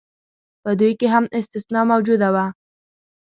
په دوی کې هم استثنا موجوده وه.